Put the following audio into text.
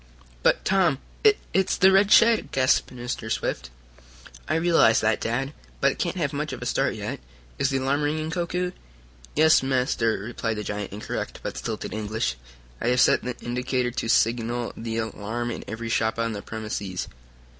"But, Tom, it it's the red shed!" gasped Mr. Swift. "I realize that, Dad. But it can't have much of a start yet. Is the alarm ringing, Koku?" "Yes, Master," replied the giant, in correct but stilted English. "I have set the indicator to signal the alarm in every shop on the premises."